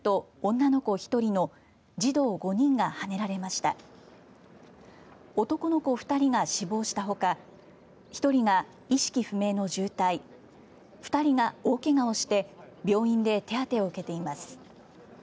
男の子２人が死亡したほか１人が意識不明の重体２人が大けがをして病院で手当てを受けています。